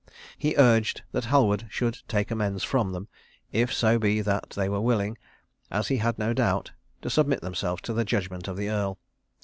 He urged that Halward should take amends from them, if so be that they were willing, as he had no doubt, to submit themselves to the judgment of the Earl.